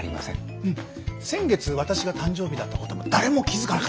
うん先月私が誕生日だったことも誰も気付かなかったから大丈夫。